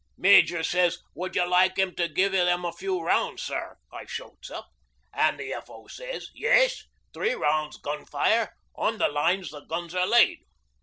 "Major says would you like him to give them a few rounds, sir," I shouts up, an' the F.O. says, "Yes three rounds gun fire, on the lines the guns are laid."